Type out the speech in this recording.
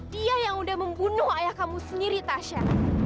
dia yang udah membunuh ayah kamu sendiri tasha